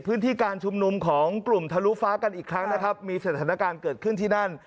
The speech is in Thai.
พื้นที่การชุมนุมของกลุ่มทะลุฟ้ากันอีกครั้งนะครับมีสถานการณ์เกิดขึ้นที่นั่น